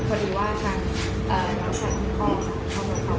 แต่ว่าได้ผู้ใช้ของชายของเขาครับ